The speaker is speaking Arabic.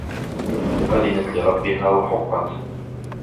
وَأَذِنَتْ لِرَبِّهَا وَحُقَّتْ